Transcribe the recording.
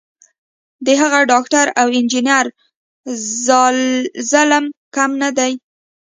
د هغه ډاکټر او انجینر ظلم کم نه دی.